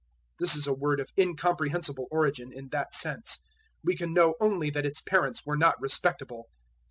This is a word of incomprehensible origin in that sense; we can know only that its parents were not respectable.